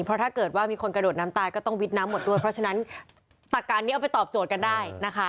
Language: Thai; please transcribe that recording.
เพราะถ้าเกิดว่ามีคนกระโดดน้ำตายก็ต้องวิดน้ำหมดด้วยเพราะฉะนั้นตักการนี้เอาไปตอบโจทย์กันได้นะคะ